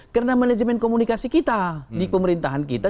karena manajemen komunikasi kita di pemerintahan kita